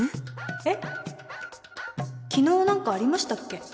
えっ昨日何かありましたっけ？